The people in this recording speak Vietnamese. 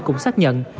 cũng xác nhận